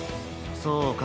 そうか。